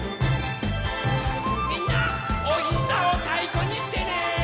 みんなおひざをたいこにしてね！